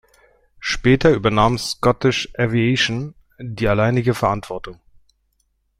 Später übernahm Scottish Aviation die alleinige Verantwortung.